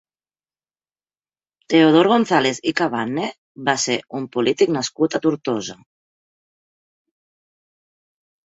Teodor Gonzàlez i Cabanne va ser un polític nascut a Tortosa.